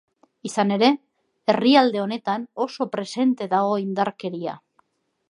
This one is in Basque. Izan ere, herrialde honetan oso presente dago indarkeria.